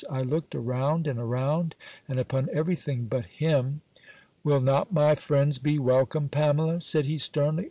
I looked around and around, and upon every thing but him. "Will not my friends be welcome, Pamela?" said he sternly.